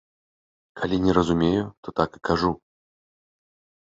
Калі не разумею, то так і кажу.